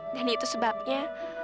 dan itu sebabnya